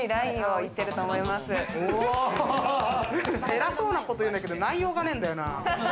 偉そうなこと言うんだけど、内容がないんだよな。